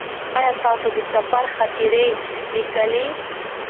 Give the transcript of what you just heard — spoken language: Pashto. ایا تاسې د سفر خاطرې لیکئ؟